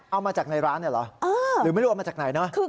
เอามาจากในร้านเนี่ยเหรอหรือไม่รู้เอามาจากไหนนะ